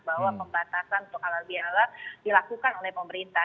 bahwa pembatasan untuk halal bihalal dilakukan oleh pemerintah